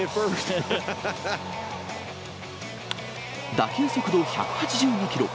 打球速度１８２キロ。